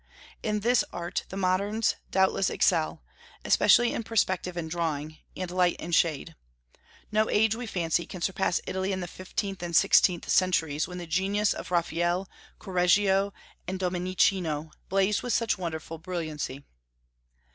In this art the moderns doubtless excel, especially in perspective and drawing, and light and shade. No age, we fancy, can surpass Italy in the fifteenth and sixteenth centuries, when the genius of Raphael, Correggio, and Domenichino blazed with such wonderful brilliancy.